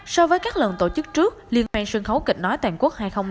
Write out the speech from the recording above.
so với các lần tổ chức trước liên hoan sân khấu kịch nói toàn quốc hai nghìn hai mươi ba